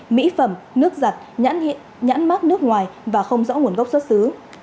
mỹ phẩm nước giặt nhãn mát nước ngoài và không rõ nguồn gốc xuất xứ